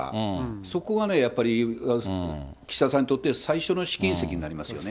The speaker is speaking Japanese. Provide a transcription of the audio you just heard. そこがやっぱり、岸田さんにとって最初の試金石になりますよね。